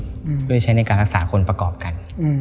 เพื่อใช้ในการรักษาคนประกอบกัน